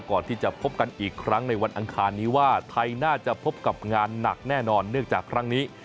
ก่อนที่จะพบกันอีกครั้งในวันอังคารนี้ว่าไทยน่าจะพบกับงานหนักแน่นอนเนื่องจากครั้งนี้